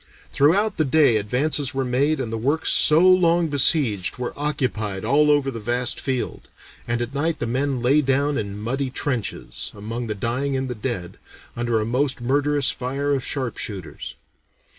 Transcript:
Throughout the day advances were made and the works so long besieged were occupied all over the vast field, and at night the men "lay down in muddy trenches, among the dying and the dead, under a most murderous fire of sharpshooters.